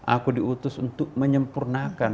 aku diutus untuk menyempurnakan